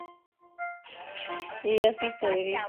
sasa kuna changamoto nyingi ambazo zinaikabia zinaikabili misri